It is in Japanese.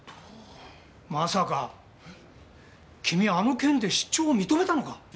まさか君あの件で出張を認めたのか？